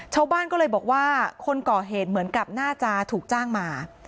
ชาวบ้านก็เลยบอกว่าคนก่อเหตุเหมือนกับน่าจะถูกจ้างมา